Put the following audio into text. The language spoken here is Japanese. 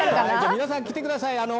皆さん来てください！